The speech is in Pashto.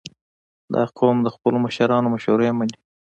• دا قوم د خپلو مشرانو مشورې منې.